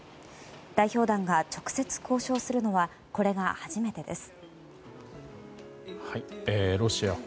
代表団が直接交渉するのはこれが初めてです。